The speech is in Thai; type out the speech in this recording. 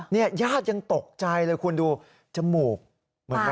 ญาติยังตกใจเลยคุณดูจมูกเหมือนกัน